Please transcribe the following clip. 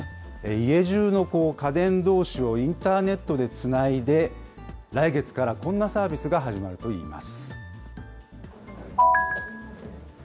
家じゅうの家電どうしをインターネットでつないで、来月からこんなサービスが始まるといいます。